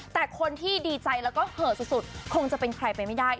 แต่คนที่ดีใจแล้วก็เหอะสุดคงจะเป็นใครไปไม่ได้